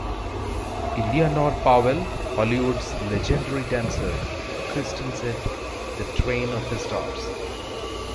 Eleanor Powell, Hollywood's legendary dancer, christens it The Train of the Stars.